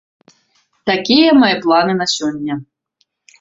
Такія мае планы на сёння.